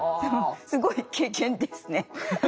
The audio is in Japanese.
すごい経験ですね。